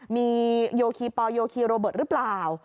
มีโยคีปอลโยคีโรเบิร์ตหรือเปล่า